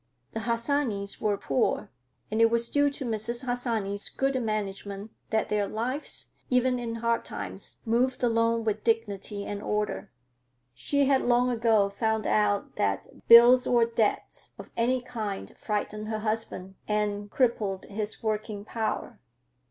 The Harsanyis were poor, and it was due to Mrs. Harsanyi's good management that their lives, even in hard times, moved along with dignity and order. She had long ago found out that bills or debts of any kind frightened her husband and crippled his working power.